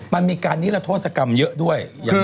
มันมีการนิรโทษกรรมเยอะด้วย